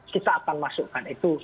kita akan masukkan itu